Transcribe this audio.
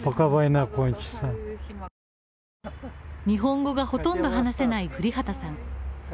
日本語がほとんど話せない降旗さん。